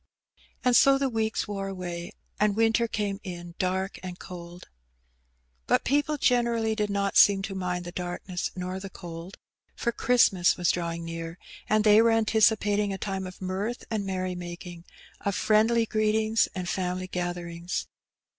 And so the weeks wore away^ and winter came in dark and cold. But people generally did not seem to mind the darkness nor the cold^ for Christmas was drawing near^ and they were anticipating a time of mirth and merrymakings of friendly greetings and family gatherings.